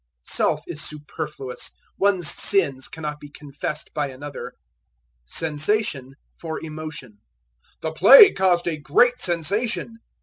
Self is superfluous: one's sins cannot be confessed by another. Sensation for Emotion. "The play caused a great sensation."